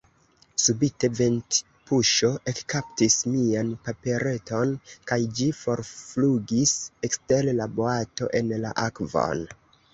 Subite ventpuŝo ekkaptis mian papereton kaj ĝi forflugis ekster la boato en la akvon.